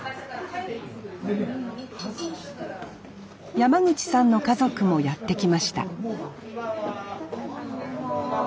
山口さんの家族もやって来ましたこんばんは。